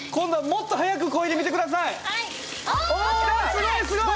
すごいすごい！